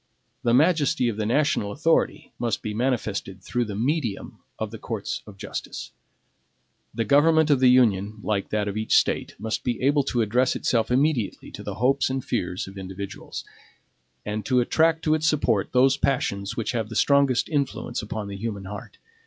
The majesty of the national authority must be manifested through the medium of the courts of justice. The government of the Union, like that of each State, must be able to address itself immediately to the hopes and fears of individuals; and to attract to its support those passions which have the strongest influence upon the human heart.